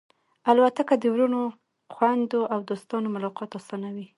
الوتکه د وروڼو، خوېندو او دوستانو ملاقات آسانوي.